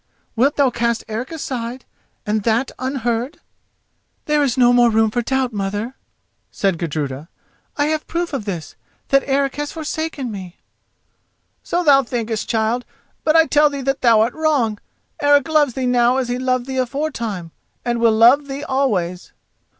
Wilt thou cast Eric aside, and that unheard?" "There is no more room for doubt, mother," said Gudruda. "I have proof of this: that Eric has forsaken me." "So thou thinkest, child; but I tell thee that thou art wrong! Eric loves thee now as he loved thee aforetime, and will love thee always."